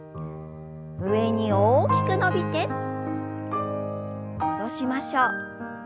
上に大きく伸びて戻しましょう。